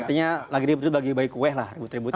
artinya lagi dibutuh bagi bayi kue lah